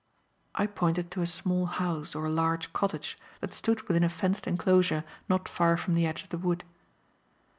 I pointed to a small house or large cottage that stood within a fenced enclosure not far from the edge of the wood.